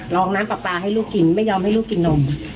ร้องน้ำให้ลูกกินไม่ยอมให้ลูกกินนม